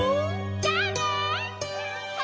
じゃあね！